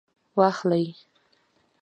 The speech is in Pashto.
واخلئ